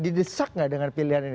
didesak nggak dengan pilihan ini